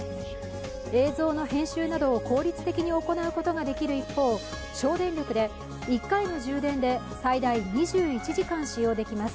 映像の編集などを効率的に行うことができる一方省電力で１回の充電で最大２１時間使用できます。